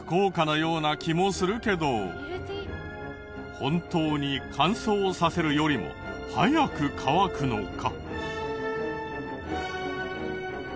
本当に乾燥させるよりも早く乾くのか？